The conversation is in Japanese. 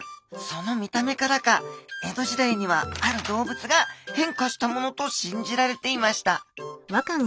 その見た目からか江戸時代にはある動物が変化したものと信じられていました。